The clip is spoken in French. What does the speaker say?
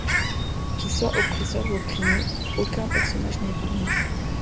Qu’il soit oppresseur ou opprimé, aucun personnage n'est épargné.